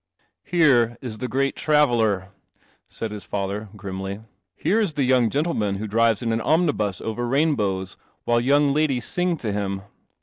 " Here is the great traveller !" said his father grimly. " Here is the young gentleman who drives in an omnibus over rainbows, while young ladies sing to him."